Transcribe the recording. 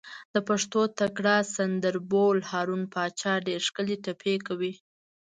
د پښتو تکړه سندر بول، هارون پاچا ډېرې ښکلې ټپې کوي.